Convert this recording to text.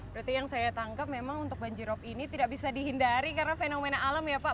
berarti yang saya tangkap memang untuk banjirop ini tidak bisa dihindari karena fenomena alam ya pak